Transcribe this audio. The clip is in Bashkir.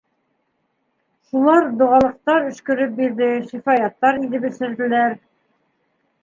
Шулар доғалыҡтар өшкөрөп бирҙе, шифаяттар иҙеп эсерҙеләр.